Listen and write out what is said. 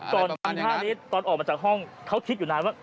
ก่อนทำท่านี้ตอนออกมาจากห้องเขาคิดอยู่นานว่า